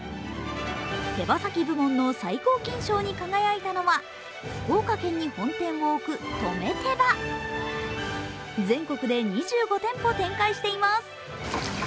手羽先部門の最高金賞に輝いたのは福岡県に本店を置くとめ手羽全国で２５店舗展開しています。